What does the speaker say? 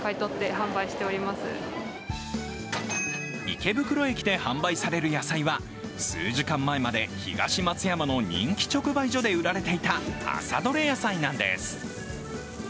池袋駅で販売される野菜は数時間前まで東松山の人気直売所で売られていた朝どれ野菜なんです。